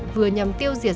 vừa nhằm tiêu diệt